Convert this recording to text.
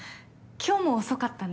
今日も遅かったね。